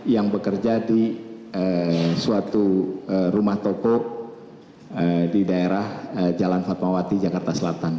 yang bekerja di suatu rumah toko di daerah jalan fatmawati jakarta selatan